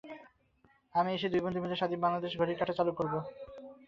আমি এসে দুই বন্ধু মিলে স্বাধীন বাংলাদেশে ঘড়ির কাঁটা চালু করব।